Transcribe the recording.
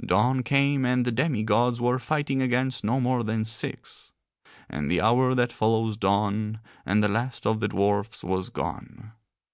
Dawn came and the demi gods were fighting against no more than six, and the hour that follows dawn, and the last of the dwarfs was gone.